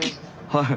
はい。